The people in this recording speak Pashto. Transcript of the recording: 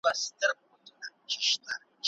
که توان نه لرئ قرضونه مه کوئ.